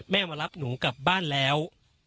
มารับหนูกลับบ้านแล้ว